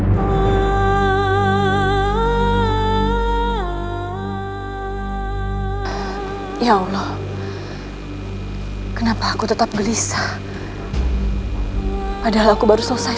hai hai hai hai hai hai hai hai hai hai hai ya allah kenapa aku tetap gelisah padahal aku baru selesai